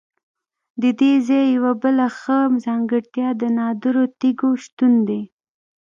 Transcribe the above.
ددې ځای یوه بله ښه ځانګړتیا د نادرو تیږو شتون دی.